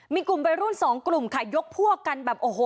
มีกลุ่มวัยรุ่นสองกลุ่มค่ะยกพวกกันแบบโอ้โห